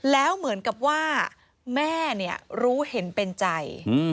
แล้วเหมือนกับว่าแม่รู้เห็นเป็นใจ